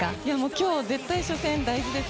今日、初戦大事です。